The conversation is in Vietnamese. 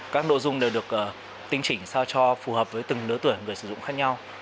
các đội dung đều được tính chỉnh sao cho phù hợp với từng nửa tuổi người sử dụng khác nhau